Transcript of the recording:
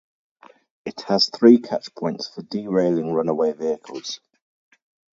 It has three catch points for derailing runaway vehicles.